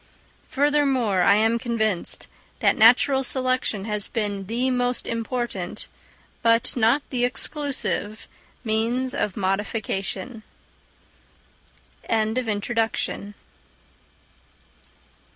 Furthermore, I am convinced that natural selection has been the most important, but not the exclusive, means of modification.